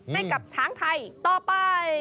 ให้กับช้างไทยต่อไป